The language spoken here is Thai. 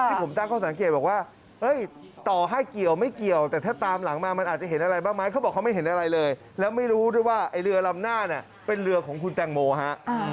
ผมตั้งข้อสังเกตบอกว่าต่อให้เกี่ยวไม่เกี่ยวแต่ถ้าตามหลังมามันอาจจะเห็นอะไรบ้างไหมเขาบอกเขาไม่เห็นอะไรเลยแล้วไม่รู้ด้วยว่าไอ้เรือลำหน้าเนี่ยเป็นเรือของคุณแตงโมฮะ